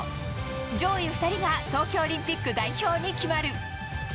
上位２人が東京オリンピック代表に決まる。